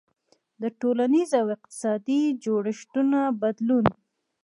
• د ټولنیز او اقتصادي جوړښت بدلون.